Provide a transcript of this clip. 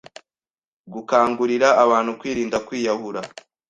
gukangurira abantu kwirinda kwiyahura